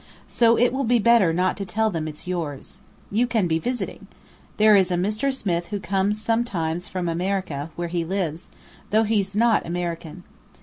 So it will be better not to tell them it's yours. You can be visiting. There is a Mr. Smith who comes sometimes from America, where he lives, though he's not American.